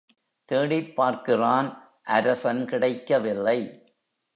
தேடிப்பார்க்கிறான் அரசன் கிடைக்கவில்லை.